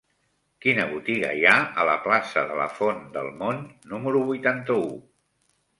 Quina botiga hi ha a la plaça de la Font del Mont número vuitanta-u?